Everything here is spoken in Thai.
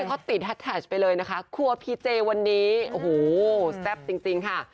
เขาติดแฮดแท็กไปเลยนะคะครัวพีเจวันนี้โอ้โหแซ่บจริงค่ะ